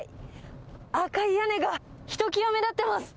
赤い屋根がひときわ目立ってます。